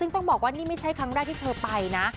ซึ่งต้องบอกว่านี่ไม่ใช่ครั้งแรกที่เธอไปนะ